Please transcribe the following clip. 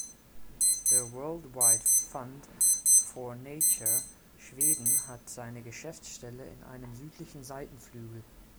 Der World Wide Fund for Nature Schweden hat seine Geschäftsstelle in einem Südlichen Seitenflügel.